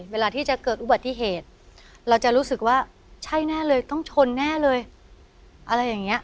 เวลาที่จะเกิดอุบัติเหตุเราจะรู้สึกว่าใช่แน่เลยต้องชนแน่เลยอะไรอย่างนี้